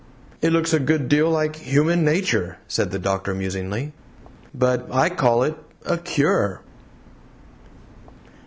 "It looks a good deal like human nature," said the doctor, musingly, "but I call it a cure!"